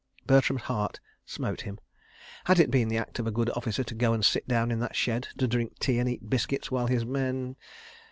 Bertram's heart smote him. Had it been the act of a good officer to go and sit down in that shed, to drink tea and eat biscuits, while his men